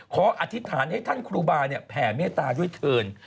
อธิษฐานให้ท่านครูบาแผ่เมตตาด้วยเถิน